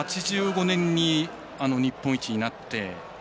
８５年に日本一になって。